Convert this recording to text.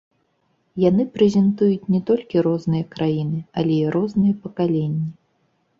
Яны прэзентуюць не толькі розныя краіны, але і розныя пакаленні.